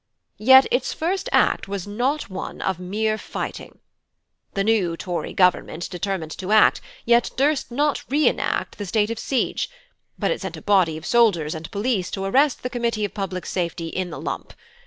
"Yet its first act was not one of mere fighting. The new Tory Government determined to act, yet durst not re enact the state of siege, but it sent a body of soldiers and police to arrest the Committee of Public Safety in the lump.